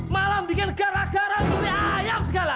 malah bikin gara gara curi ayam segala